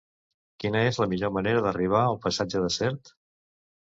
Quina és la millor manera d'arribar al passatge de Sert?